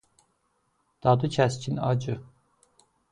Dadı kəskin acı.